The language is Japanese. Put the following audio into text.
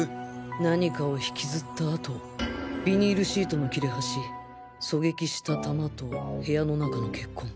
何かを引きずった跡ビニールシートの切れ端狙撃した弾と部屋の中の血痕。